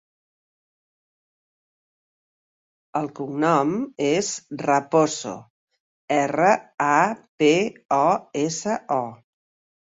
El cognom és Raposo: erra, a, pe, o, essa, o.